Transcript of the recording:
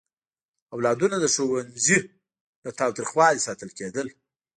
اولادونه د ښوونځي له تاوتریخوالي ساتل کېدل.